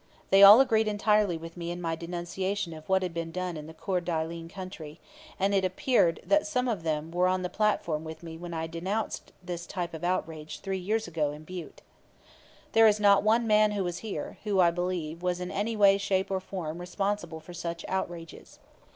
They all agreed entirely with me in my denunciation of what had been done in the Court d'Alene country; and it appeared that some of them were on the platform with me when I denounced this type of outrage three years ago in Butte. There is not one man who was here, who, I believe, was in any way, shape or form responsible for such outrages.